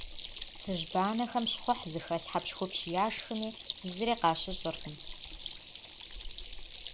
Цыжьбанэхэм щхъухь зыхэлъ хьэпщхупщ яшхми, зыри къащыщӏыркъым.